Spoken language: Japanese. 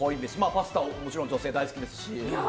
パスタはもちろん女性は大好きですし。